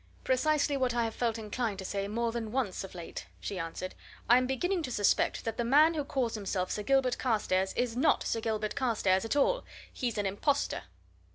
"Precisely what I have felt inclined to say more than once of late!" she answered. "I'm beginning to suspect that the man who calls himself Sir Gilbert Carstairs is not Sir Gilbert Carstairs at all! He's an impostor!"